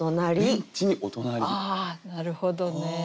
ああなるほどね。